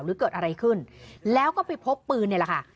หรือเกิดอะไรขึ้นแล้วก็ไปพบปืนเนี่ยแหละค่ะ